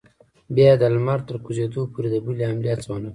بیا یې د لمر تر کوزېدو پورې د بلې حملې هڅه ونه کړه.